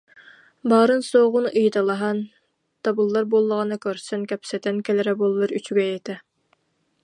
Баарын-суоҕун ыйыталаһан, табыллар буоллаҕына көрсөн, кэпсэтэн кэлэрэ буоллар үчүгэй этэ